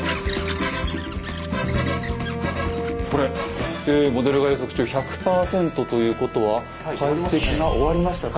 これ「モデルが予測中１００％」ということは解析が終わりましたか。